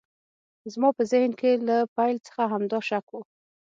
زما په ذهن کې له پیل څخه همدا شک و